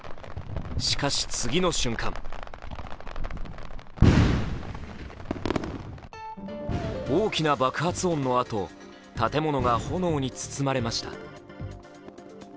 しかし、次の瞬間大きな爆発音のあと、建物が炎に包まれました。